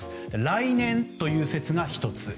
来年という説が１つ。